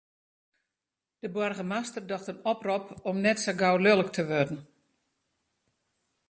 De boargemaster docht in oprop om net sa gau lulk te wurden.